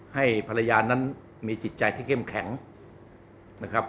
ให้ภรรยานั้นมีจิตใจที่เข้มแข็งนะครับ